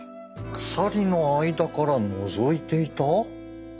鎖の間からのぞいていた？